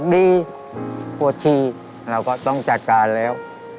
ดีปวดฉี่เราก็ต้องจัดการแล้ว